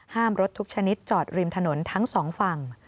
รถทุกชนิดจอดริมถนนทั้งสองฝั่ง